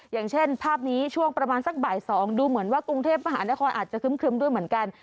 อย่างเช่นภาพนี้ช่วงประมาณสักบ่าย๒ดูเหมือนว่ากรุงเทพมหานครอาจจะครึ้มด้วยเหมือนกัน